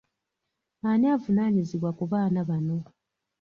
Ani avunaanyizibwa ku baana bano?